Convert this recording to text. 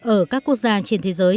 ở các quốc gia trên thế giới